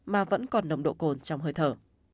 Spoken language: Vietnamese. mà vẫn còn nồng độ cồn trong hơi thở